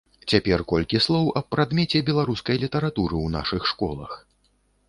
Цяпер колькі слоў аб прадмеце беларускай літаратуры ў нашых школах.